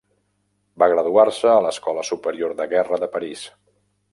Va graduar-se a l'Escola Superior de Guerra de París.